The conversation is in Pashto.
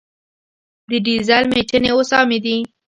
د ډیزل میچنې اوس عامې دي.